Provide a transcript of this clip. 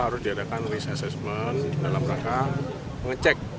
harus diadakan risk assessment dalam rangka mengecek